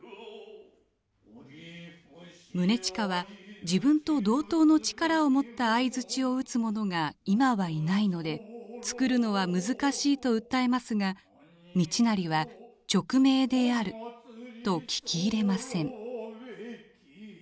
宗近は自分と同等の力を持った相鎚を打つ者が今はいないので作るのは難しいと訴えますが道成は「勅命である」と聞き入れません。